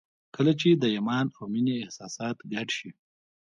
کله چې د ایمان او مینې احساسات ګډ شي